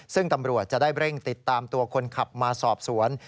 ซึ่งตำรวจจะได้เร่งติดตามตัวคนขับมาสอบสวน